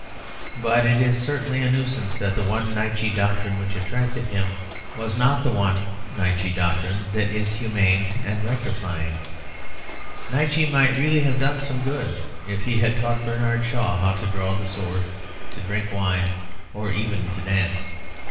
But it is certainly a nuisance that the one Nietzsche doctrine which attracted him was not the one Nietzsche doctrine that is human and rectifying. Nietzsche might really have done some good if he had taught Bernard Shaw to draw the sword, to drink wine, or even to dance.